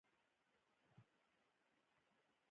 چې کله فرصت و بيا به يې وکړم.